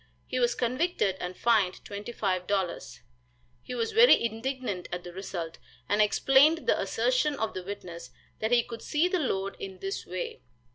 He was convicted and fined $25. He was very indignant at the result, and explained the assertion of the witness, that he could see the load, in this way.